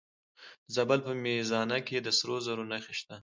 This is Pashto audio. د زابل په میزانه کې د سرو زرو نښې شته.